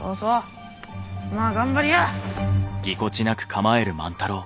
まあ頑張りや！